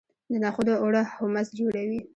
د نخودو اوړه هومس جوړوي.